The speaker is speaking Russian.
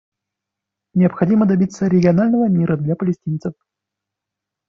Необходимо добиться регионального мира для палестинцев.